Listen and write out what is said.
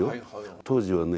当時はね